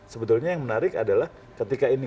sebetulnya yang menarik adalah ketika ini